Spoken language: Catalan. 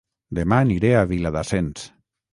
Dema aniré a Viladasens